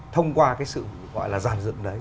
thông qua cái sự gọi là giàn dựng đấy